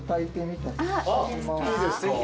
いいですか？